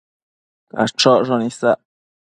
Cachocshon isac